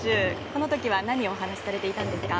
この時何をお話しされていたんですか？